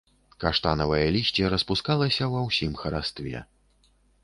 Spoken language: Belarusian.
Каштанавае лісце распускалася ва ўсім харастве.